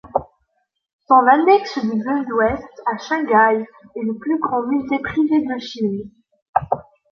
Son annexe du Bund-Ouest à Shanghai, est le plus grand musée privé de Chine.